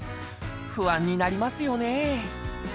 不安になりますよね。